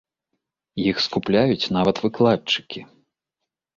Іх скупляюць нават выкладчыкі.